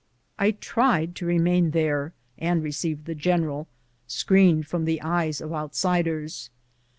I tried to remain there and receive the general, screened from the eyes of outsiders.